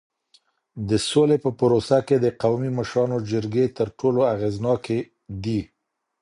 د سولې په پروسه کي د قومي مشرانو جرګې تر ټولو اغیزناکي دي.